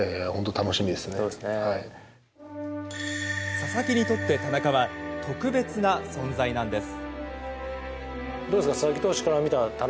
佐々木にとって、田中は特別な存在なんです。